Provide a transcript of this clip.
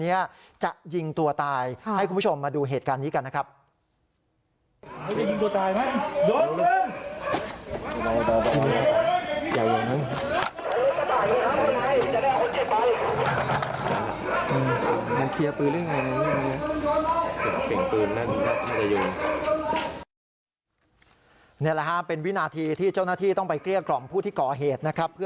นี่แหละพื้นาธีที่เจ้าหน้าที่ต้องไปเกรียกร่องผู้ที่ก่อเหตุ